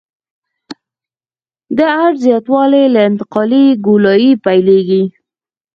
د عرض زیاتوالی له انتقالي ګولایي پیلیږي